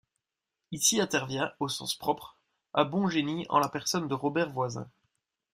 Ici intervient, au sens propre, un bon génie en la personne de Robert Voisin.